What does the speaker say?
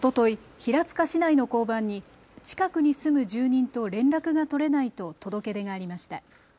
平塚市内の交番に近くに住む住人と連絡が取れないと届け出がありました。